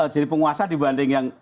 jadi penguasa dibanding yang